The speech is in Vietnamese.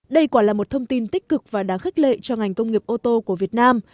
đây quả là một thông tin tích cực và đáng khích lệ cho ngành công nghiệp ô tô của việt nam